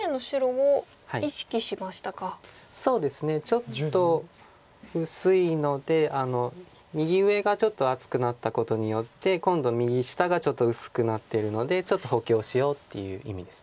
ちょっと薄いので右上がちょっと厚くなったことによって今度右下がちょっと薄くなってるのでちょっと補強しようっていう意味です。